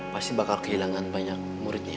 pasti bakal kehilangan banyak muridnya